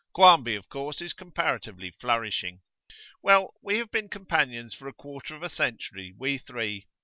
Quarmby, of course, is comparatively flourishing. Well, we have been companions for a quarter of a century, we three.